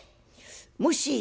「もし。